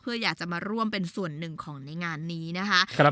เพื่ออยากจะมาร่วมเป็นส่วนหนึ่งของในงานนี้นะคะ